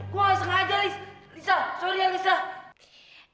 gue sengaja liz lizah sorry ya lizah